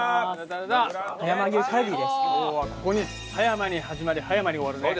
ここに葉山に始まり葉山に終わるね。